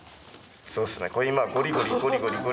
そうですね。